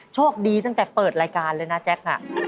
โชคดีตั้งแต่เปิดรายการเลยนะแจ๊ค